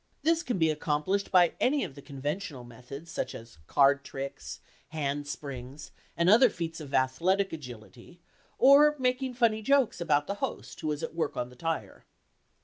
This can be accomplished by any of the conventional methods, such as card tricks, handsprings, and other feats of athletic agility, or making funny jokes about the host who is at work on the tire.